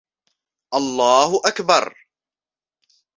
الله أكبر!